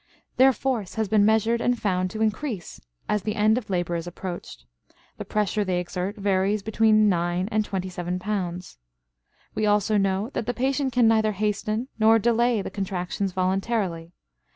Their force has been measured and found to increase as the end of labor is approached; the pressure they exert varies between nine and twenty seven pounds. We also know that the patient can neither hasten nor delay the contractions voluntarily.